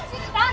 kak alah jangan